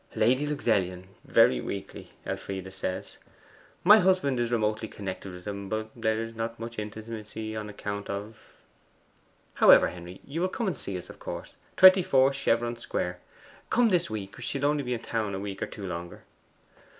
'Lady Luxellian; very weakly, Elfride says. My husband is remotely connected with them; but there is not much intimacy on account of . However, Henry, you'll come and see us, of course. 24 Chevron Square. Come this week. We shall only be in town a week or two longer.